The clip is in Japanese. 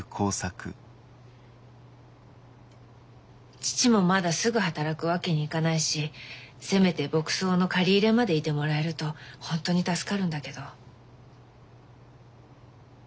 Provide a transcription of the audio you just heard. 義父もまだすぐ働くわけにいかないしせめて牧草の刈り入れまでいてもらえると本当に助かるんだけど。